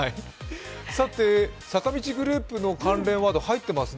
坂道グループの関連ワード、入ってますね。